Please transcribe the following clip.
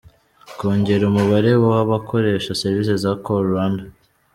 Kongera umubare wabakoresha servisi za call Rwanda .